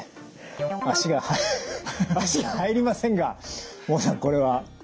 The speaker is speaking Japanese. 足が入りませんが孟さんこれは。